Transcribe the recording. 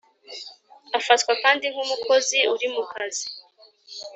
afatwa kandi nk’umukozi uri mu kazi .